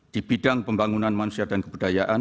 di bidang pembangunan manusia dan kebudayaan